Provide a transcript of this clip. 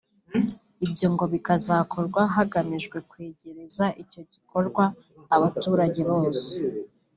ibyo ngo bikazakorwa hagamijwe kwegereza icyo gikorwa abaturage bose